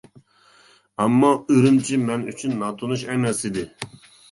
ئەمما ئۈرۈمچى مەن ئۈچۈن ناتونۇش ئەمەس ئىدى.